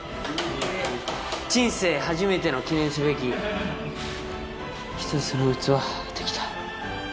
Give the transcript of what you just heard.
人生初めての記念すべき１つの器できた。